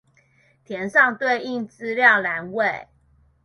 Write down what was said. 填上對應資料欄位